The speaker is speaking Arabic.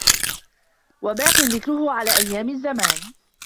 وَبَاقٍ ذِكْرُهُ عَلَى أَيَّامِ الزَّمَانِ